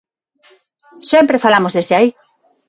Sempre falamos desde aí.